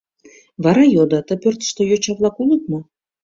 Вара йодо: «Ты пӧртыштӧ йоча-влак улыт мо?».